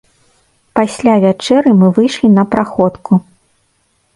Пасля вячэры мы выйшлі на праходку.